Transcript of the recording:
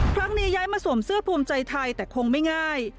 ครั้งนี้ย้ายมาสวมเสื้อภูมิใจไทยแต่คงไม่ง่าย